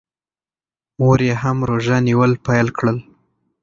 مور یې هم روژه نیول پیل کړل.